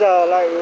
bây giờ lại